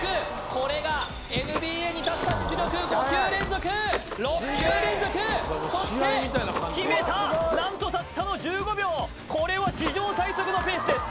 これがＮＢＡに立った実力５球連続６球連続そして決めた何とたったの１５秒これは史上最速のペースです